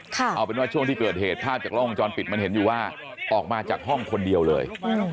เอาเป็นว่าช่วงที่เกิดเหตุภาพจากล้องวงจรปิดมันเห็นอยู่ว่าออกมาจากห้องคนเดียวเลย